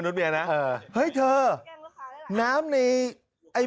เฮ่ยเธอน้ำใน